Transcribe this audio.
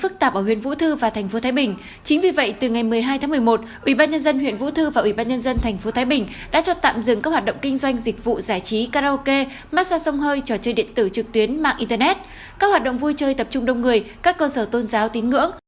chính vì vậy từ ngày một mươi hai một mươi một ủy ban nhân dân huyện vũ thư và ủy ban nhân dân thành phố thái bình đã cho tạm dừng các hoạt động kinh doanh dịch vụ giải trí karaoke massage sông hơi trò chơi điện tử trực tuyến mạng internet các hoạt động vui chơi tập trung đông người các cơ sở tôn giáo tín ngưỡng